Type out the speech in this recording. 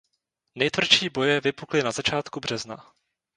Nejtvrdší boje vypukly na začátku března.